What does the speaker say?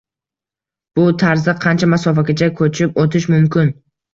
Bu tarzda qancha masofagacha ko‘chib o‘tish mumkin?